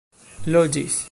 loĝis